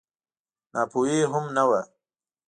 ناپوهي هم نه وه.